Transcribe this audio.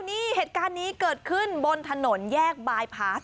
นี่เหตุการณ์นี้เกิดขึ้นบนถนนแยกบายพาส